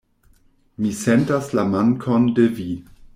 Mi sentas la mankon de vi.